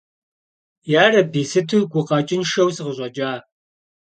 Ярэби, сыту гукъэкӀыншэу сыкъыщӀэкӀа.